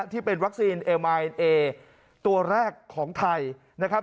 ที่เป็นวัคซีนเอลมายเอ็นเอตัวแรกของไทยนะครับ